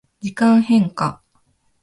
時間変化